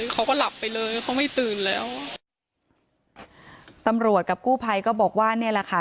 เขาไม่ตื่นแล้วตำรวจกับกู้ไพรก็บอกว่าเนี่ยแหละค่ะ